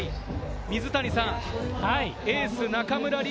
水谷さん、エース・中村輪